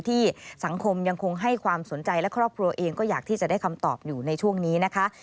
ที่สังคมยังคงให้ความสนใจและครอบครัวเองก็อยากที่จะได้คำตอบอยู่ในช่วงนี้นะคะ